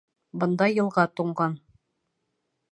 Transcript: Бында йылға туңған